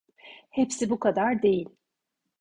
Hepsi bu kadar değil.